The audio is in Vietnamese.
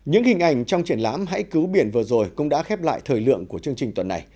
những hình ảnh trong triển lãm hãy cứu biển vừa rồi cũng đã khép lại thời lượng của chương trình tuần này